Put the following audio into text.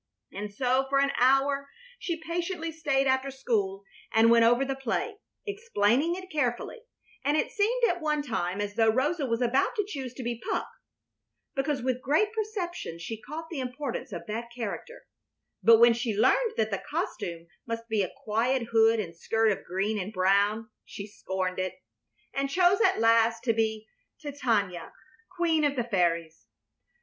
And so for an hour she patiently stayed after school and went over the play, explaining it carefully, and it seemed at one time as though Rosa was about to choose to be Puck, because with quick perception she caught the importance of that character; but when she learned that the costume must be a quiet hood and skirt of green and brown she scorned it, and chose, at last, to be Titania, queen of the fairies.